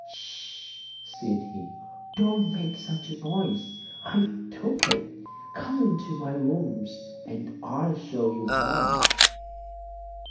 "H'sh!" said he. "Don't make such a noise. I took it. Come into my rooms, and I'll show you why."